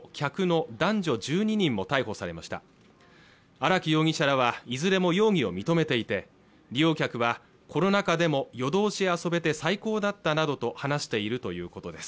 荒木容疑者らはいずれも容疑を認めていて利用客はコロナ禍でも夜通し遊べて最高だったなどと話しているということです